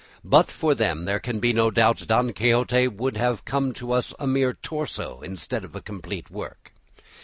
But for them, there can be no doubt, "Don Quixote" would have come to us a mere torso instead of a complete work.